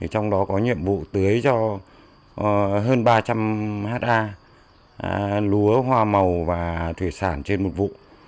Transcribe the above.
trong đó có nhiệm vụ tưới cho hơn ba trăm linh ha lúa hoa màu và thủy sản trên một vụ